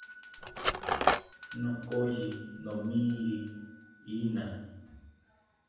Nokoyi nomiri iñaa